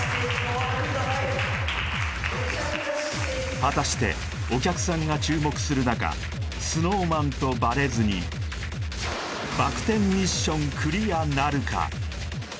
果たしてお客さんが注目する中ＳｎｏｗＭａｎとバレずにバク転ミッションクリアなるか？